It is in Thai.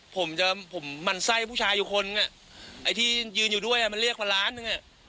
ผมจะผมมันไส้ผู้ชายอยู่คนอ่ะไอ้ที่ยืนอยู่ด้วยอ่ะมันเรียกมาล้านหนึ่งอ่ะ